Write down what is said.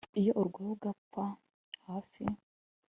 iyo urwaye ugapfa hafi